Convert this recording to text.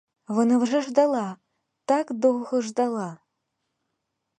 Вона вже ждала, так довго ждала!